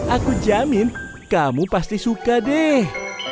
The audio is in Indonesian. aku jamin kamu pasti suka deh